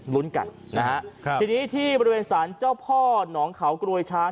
ลุ้นกันนะฮะครับทีนี้ที่บริเวณสารเจ้าพ่อหนองเขากรวยช้าง